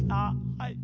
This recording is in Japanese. はい。